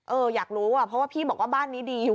อยากรู้อ่ะเพราะว่าพี่บอกว่าบ้านนี้ดีอยู่